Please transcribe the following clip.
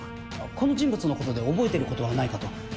この人物のことで覚えてることはないかと。